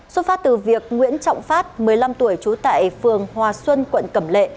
xuất phát từ việc nguyễn trọng phát một mươi năm tuổi trú tại phường hòa xuân quận cẩm lệ